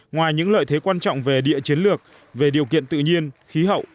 ngoài những lợi thế quan trọng về địa chiến lược về điều kiện tự nhiên khí hậu